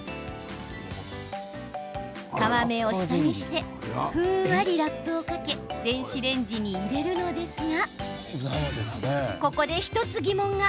皮目を下にしてふんわりラップをかけ電子レンジに入れるのですがここで１つ疑問が。